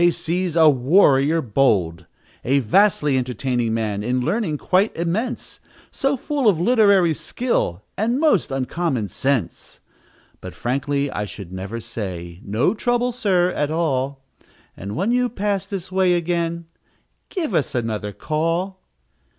's a warrior bold, "A vastly entertaining man, In Learning quite immense, So full of literary skill, And most uncommon sense, "But, frankly, I should never say 'No trouble, sir, at all; And when you pass this way again, _Give us another call!